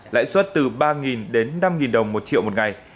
lãi suất từ ba đến năm đồng một triệu một ngày